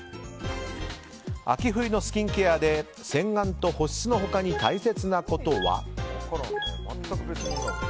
秋冬のスキンケアで洗顔と保湿の他に大切なことは。